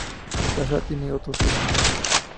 Hazard tiene otros tres hermanos.